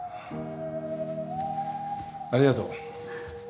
ありがとう。